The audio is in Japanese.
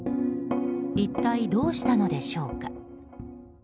一体どうしたのでしょうか。